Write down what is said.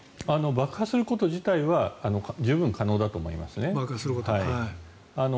爆破すること自体は十分可能だと思いますね。